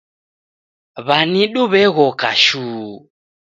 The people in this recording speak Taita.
W'anidu w'eghoka shuu